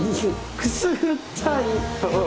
くすぐったい。